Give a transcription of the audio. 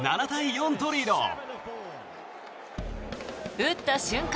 打った瞬間